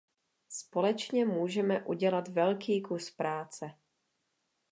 Společně můžeme udělat velký kus práce.